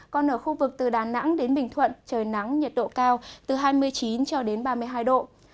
còn ở khu vực từ đà nẵng đến bình thuận trời nắng nhiệt độ cao từ hai mươi chín cho đến ba mươi hai độ